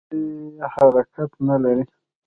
دوی حرکت نه لري.